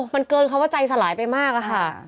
มันเกินคำว่าใจสลายไปมากอะค่ะ